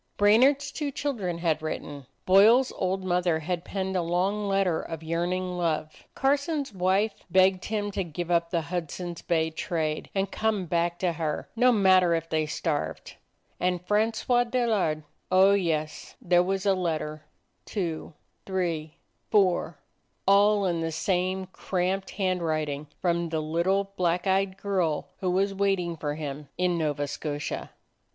Brainard's two children had written; Boyle's old mother had penned a long letter of yearning love; Carson's wife begged him to give up the Hudson's Bay trade, and come back to her, no matter if they starved. And Francois Delard — oh, yes, there was a let 33 DOG HEROES OF MANY LANDS ter — two — three — four — all in the same cramped handwriting, from the little black eyed girl who was waiting for him in Nova Scotia.